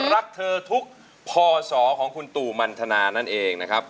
รักเธอทุกพศของคุณตู่มันทนานั่นเองนะครับ